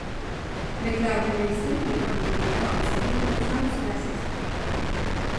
McLaren Racing, le premier client, obtient huit podiums sur la saison.